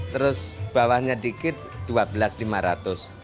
terus bawahnya dikit rp dua belas lima ratus